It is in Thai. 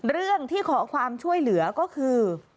เรื่องที่ขอความช่วยเหลือก็คือ